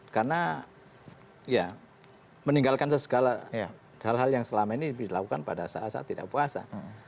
karena ya meninggalkan segala hal hal yang selama ini dilakukan pada saat saat tidak puasa